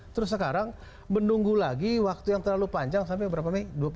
terus sekarang menunggu lagi waktu yang terlalu panjang sampai berapa mei